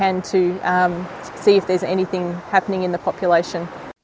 untuk melihat apakah ada apa apa yang berlaku di populasi